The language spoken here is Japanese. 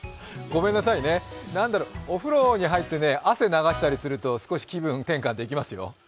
ごめんなさいね、お風呂に入って汗ながしたりすると少し気分転換しますよ。